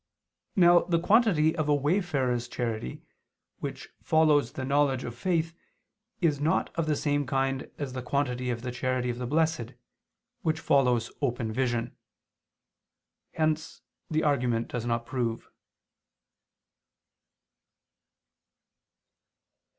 Now the quantity of a wayfarer's charity which follows the knowledge of faith is not of the same kind as the quantity of the charity of the blessed, which follows open vision. Hence the argument does not prove.